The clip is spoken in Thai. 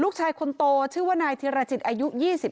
ลูกชายคนโตชื่อว่านายธิรจิตอายุ๒๕